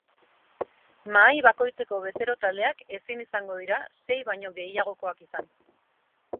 Mahai bakoitzeko bezero-taldeak ezin izango dira sei baino gehiagokoak izan.